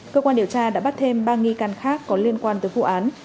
cơ quan điều tra đã bắt thêm ba nghi can khác có liên quan tới vụ án